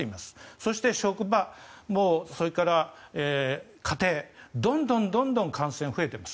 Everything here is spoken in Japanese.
そして、職場、それから家庭どんどん感染増えています。